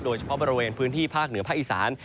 โดยเฉพาะบริเวณพื้นที่ภาคเหนือภาคอีสาน